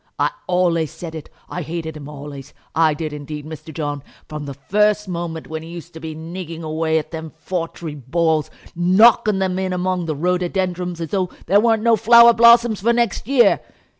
I ollays said it. I hated him ollays; I did indeed, Mr. John, from the first moment when he used to be nigging away at them foutry balls, knocking them in among the rhododendrons, as though there weren't no flower blossoms for next year.